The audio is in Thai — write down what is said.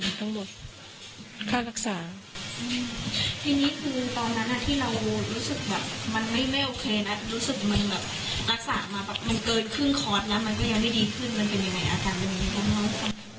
รู้สึกมันแบบรักษามาแบบมันเกินครึ่งคอร์สแล้วมันก็ยังได้ดีขึ้นมันเป็นยังไงอาการแบบนี้